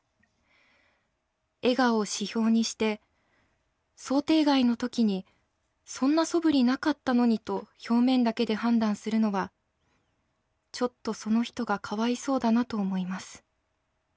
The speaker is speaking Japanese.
笑顔を指標にして想定外の時にそんなそぶりなかったのにと表面だけで判断するのはちょっとその人がかわいそうだなと思います。